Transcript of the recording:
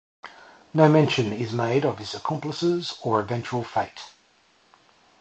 No mention is made of his accomplices or eventual fate.